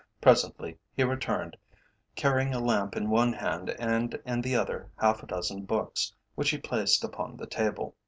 Presently he returned, carrying a lamp in one hand, and in the other half a dozen books, which he placed upon the table.